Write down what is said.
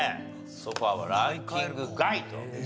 ソファはランキング外と。